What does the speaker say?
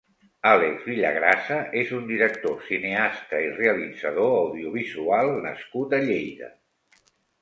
Àlex Villagrasa és un director, cineasta i realitzador audiovisual nascut a Lleida.